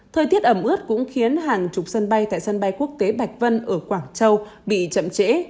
thời tiết ẩm ướt cũng khiến hàng chục sân bay tại sân bay quốc tế bạch vân ở quảng châu bị chậm trễ